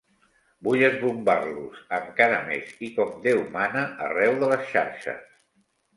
Vull esbombar-los encara més i com Déu mana arreu de les xarxes.